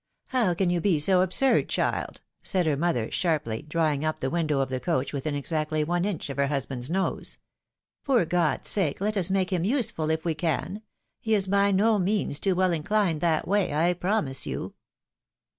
" How can you be so absurd, child ?" said her mother, sharply, drawing up the window of the coach within exactly one inch of her husband's nose. " For God's sake let us make him vsetal if we can. He is by no means too well inclined that way, I promise you."